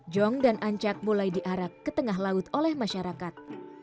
jong dan ancak mulai diarak ke tengah laut oleh masyarakat